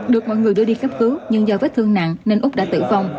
được mọi người đưa đi cấp cứu nhưng do vết thương nặng nên úc đã tử vong